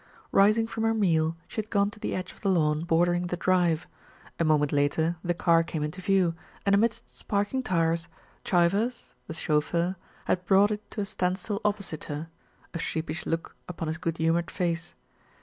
Rising from her meal, she had gone to the edge of the lawn bordering the drive; a moment later the car came into view, and amidst sparking tyres, Chivers, the chauffeur, had brought it to a standstill opposite her, a sheepish look upon his good humoured face.